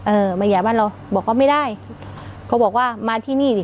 มาใหญ่บ้านเราบอกว่าไม่ได้เขาบอกว่ามาที่นี่ดิ